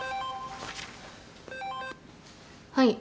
はい。